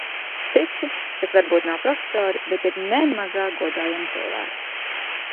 Citi, kas varbūt nav profesori, bet ir ne mazāk godājami cilvēki.